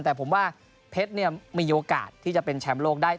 แต่ผมว่าเพชรมีโอกาสที่จะเป็นแชมป์โลกได้